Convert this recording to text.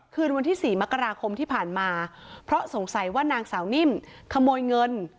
คืนวันที่๔มกราคมที่ผ่านมาเพราะสงสัยว่านางสาวนิ่มขโมยเงิน